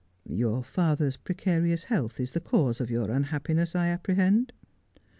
Your father's precarious health is the cause of your unhappiness, I apprehend ?